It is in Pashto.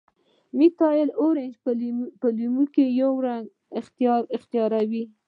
میتایل ارنج په لیمو کې یو رنګ اختیاروي.